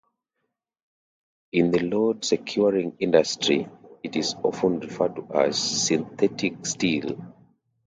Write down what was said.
In the load securing industry it is often referred to as "synthetic steel".